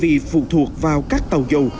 bởi vì phụ thuộc vào các tàu dầu